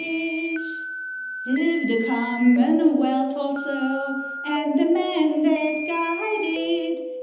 Live the commonwealth also, And the men that guide it!